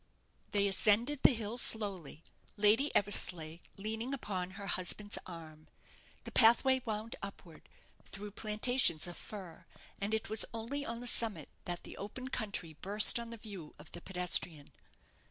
They ascended the hill slowly, Lady Eversleigh leaning upon her husband's arm. The pathway wound upward, through plantations of fir, and it was only on the summit that the open country burst on the view of the pedestrian.